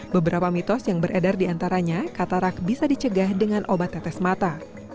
beberapa mitos yang beredar diantaranya katarak bisa dicegah dengan obat tetes mata